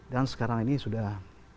dan sekarang ini sudah